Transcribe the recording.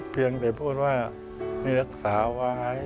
เพียงแต่พูดว่ามีรักษาไว้